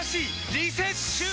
リセッシュー！